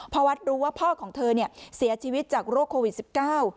พอวัดรู้ว่าพ่อของเธอเนี่ยเสียชีวิตจากโรคโควิดสิบเก้า